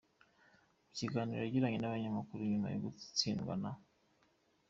Mu kiganiro yagiranye n’abanyamakuru nyuma yo gutsindwa na